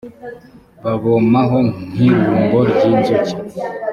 babomaho nk’irumbo ry’inzuki